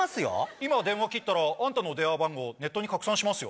今電話切ったらあんたの電話番号ネットに拡散しますよ。